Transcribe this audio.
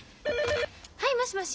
はいもしもし？